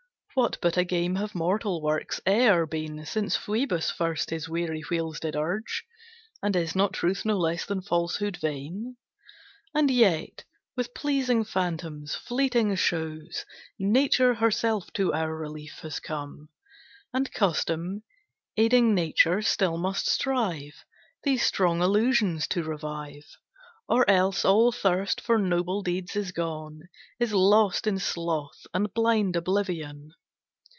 What but a game have mortal works e'er been, Since Phoebus first his weary wheels did urge? And is not truth, no less than falsehood, vain? And yet, with pleasing phantoms, fleeting shows, Nature herself to our relief has come; And custom, aiding nature, still must strive These strong illusions to revive; Or else all thirst for noble deeds is gone, Is lost in sloth, and blind oblivion.